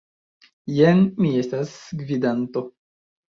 Jen, mi estas gvidanto.